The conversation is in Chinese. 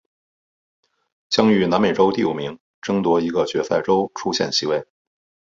将与南美洲第五名争夺一个决赛周出线席位。